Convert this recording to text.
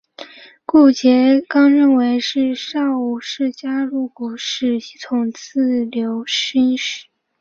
顾颉刚认为的少昊氏加入古史系统自刘歆始。